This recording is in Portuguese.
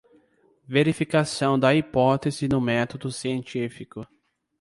Verificação da hipótese no método científico